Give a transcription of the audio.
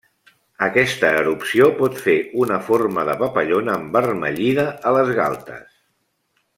Aquesta erupció pot fer una forma de papallona envermellida a les galtes.